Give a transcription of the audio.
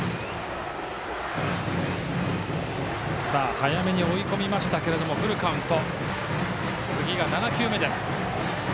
早めに追い込みましたがフルカウント。